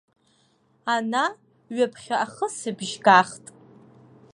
Ана ҩаԥхьа ахысыбжь гахт!